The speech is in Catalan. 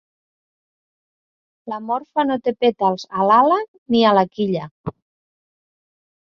L'"Amorpha" no té pètals a l'ala ni a la quilla.